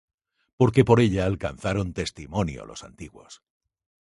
Porque por ella alcanzaron testimonio los antiguos.